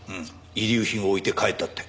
遺留品を置いて帰ったって。